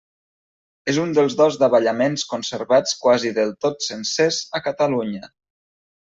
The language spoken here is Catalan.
És un dels dos davallaments conservats quasi del tot sencers a Catalunya.